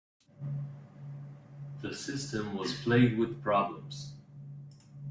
The system was plagued with problems.